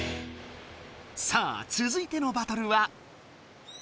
さあつづいてのバトルは。